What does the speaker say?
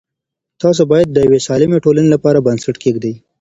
تاسو باید د یوې سالمه ټولنې لپاره بنسټ کېږدئ.